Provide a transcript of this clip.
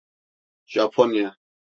Japonya…